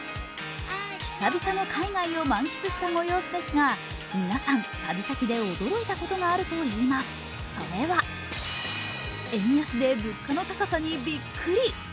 久々の海外を満喫した模様ですが皆さん、旅先で驚いたことがあるといいます、それは円安で物価の高さにびっくり！